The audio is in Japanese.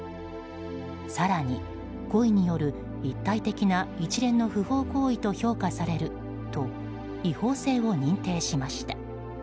更に、故意による一体的な一連の不法行為と評価されると違法性を認定しました。